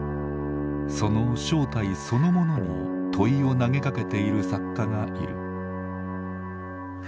その正体そのものに問いを投げかけている作家がいる。